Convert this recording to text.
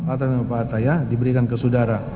atas nama pak attaya diberikan ke saudara